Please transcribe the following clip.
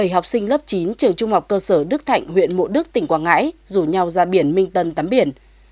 bảy học sinh lớp chín trường trung học cơ sở đức thạnh huyện mộ đức tỉnh quảng ngãi rủ nhau ra biển minh tân tắm biển